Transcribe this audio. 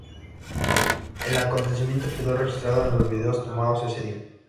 El acontecimiento quedó registrado en los videos tomados ese día.